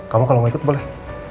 kamu kalau mau ikut boleh